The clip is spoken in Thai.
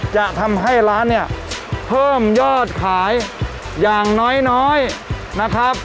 จะทำให้ร้านเนี่ยเพิ่มยอดขายอย่างน้อยนะครับ